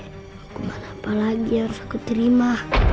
aku mah apa lagi yang harus aku terima